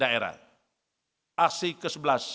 aksi yang kesembilan